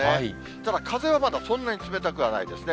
ただ、風はまだそんなに冷たくはないですね。